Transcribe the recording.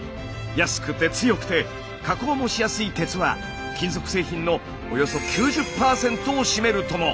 安くて強くて加工もしやすい鉄は金属製品のおよそ９０％を占めるとも。